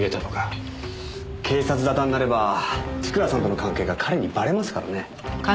警察沙汰になれば千倉さんとの関係が彼にバレますからね。